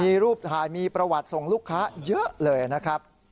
มีรูปถ่ายมีประวัติส่งลูกค้าเยอะเลยนะครับ